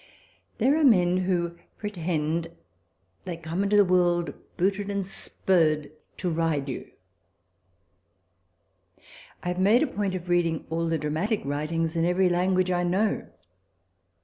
* There are men who pretend they come into the world booted and spurred to ride you. I have made a point of reading all the dramatic writings in every language I know.